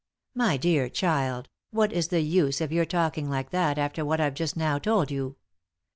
" My dear child, what is the use of your talking like that after what I've just now told you.